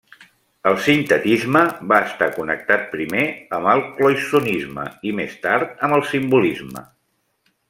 El sintetisme va estar connectat primer amb el cloisonnisme i més tard amb el simbolisme.